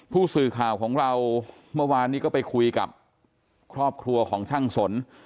ผู้สื่อข่าวของเราเมื่อวานนี้ก็ไปคุยกับครอบครัวของช่างสน